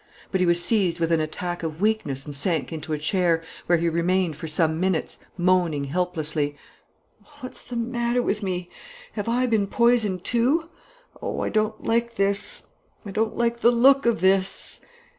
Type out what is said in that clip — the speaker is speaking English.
But he was seized with an attack of weakness and sank into a chair, where he remained for some minutes, moaning helplessly: "What's the matter with me? ... Have I been poisoned, too? ... Oh, I don't like this; I don't like the look of this!"